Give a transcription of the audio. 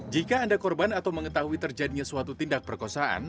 jika anda korban atau mengetahui terjadinya suatu tindak perkosaan